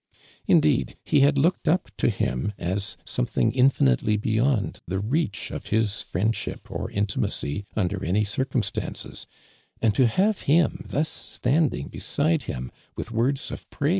Indeed ho had looketl up to him as some, thing infinitely lieyoiuj the reach of his fric^ndship or intimacy under any c'"ciun stances, and to have him thus stamiing be side him with words ofprai.